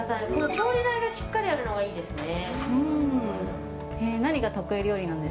調理台がしっかりあるのがいいですね。